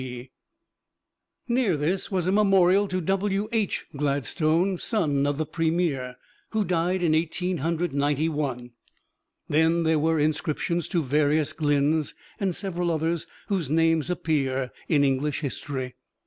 G." Near this was a memorial to W.H. Gladstone, son of the Premier, who died in Eighteen Hundred Ninety one. Then there were inscriptions to various Glynnes and several others whose names appear in English history.